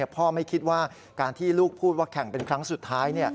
พ่อไม่คิดว่าการที่ลูกพูดว่าแข่งเป็นครั้งสุดท้าย